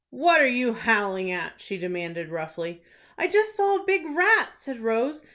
"What are you howling at?" she demanded, roughly. "I just saw a big rat," said Rose.